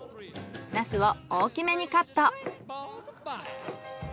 ナスを大きめにカット。